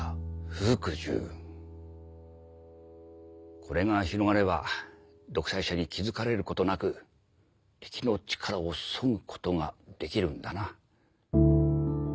これが広がれば独裁者に気付かれることなく敵の力をそぐことができるんだな。